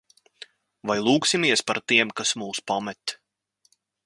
Vai lūgsimies par tiem, kas mūs pamet?